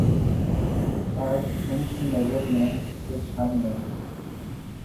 آج ان کی نظر میں کچھ ہم نے